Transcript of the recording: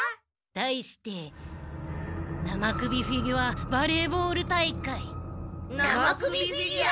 題して生首フィギュアバレーボール大会？